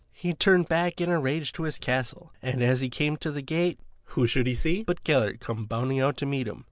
He turned back in a rage to his castle, and as he came to the gate, who should he see but Gellert come bounding out to meet him.